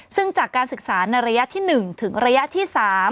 ซึ่งจากการศึกษาในระยะที่๑ถึงระยะที่๓